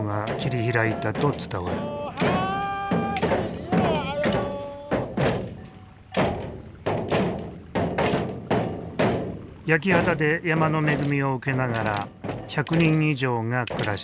焼き畑で山の恵みを受けながら１００人以上が暮らしていた。